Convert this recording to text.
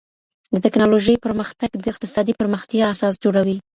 د ټکنالوژۍ پرمختګ د اقتصادي پرمختيا اساس جوړوي.